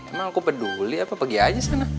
emang aku peduli apa pergi aja sana